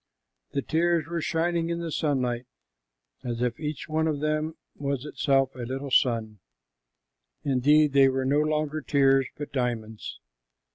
The tears were shining in the sunlight as if each one of them was itself a little sun. Indeed, they were no longer tears, but diamonds.